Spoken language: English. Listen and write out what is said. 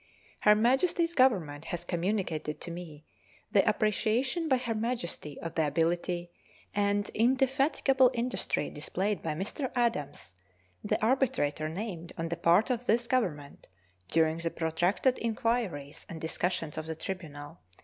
Her Majesty's Government has communicated to me the appreciation by Her Majesty of the ability and indefatigable industry displayed by Mr. Adams, the arbitrator named on the part of this Government during the protracted inquiries and discussions of the tribunal.